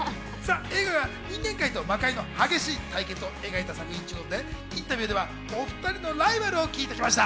映画が人間界と魔界の激しい対決を描いた作品ということでインタビューではお２人のライバルを聞いてきました。